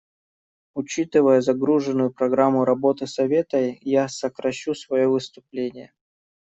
Учитывая загруженную программу работы Совета, я сокращу свое выступление.